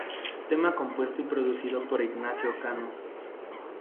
Tema compuesto y producido por Ignacio Cano.